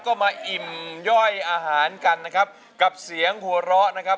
ก็มาอิ่มย่อยอาหารกันนะครับกับเสียงหัวเราะนะครับ